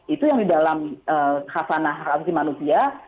itu yang di dalam khafanah manusia